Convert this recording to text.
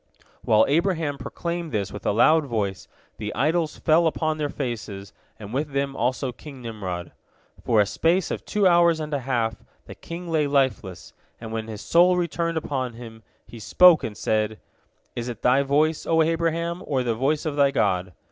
" While Abraham proclaimed this with a loud voice, the idols fell upon their faces, and with them also King Nimrod. For a space of two hours and a half the king lay lifeless, and when his soul returned upon him, he spoke and said, "Is it thy voice, O Abraham, or the voice of thy God?"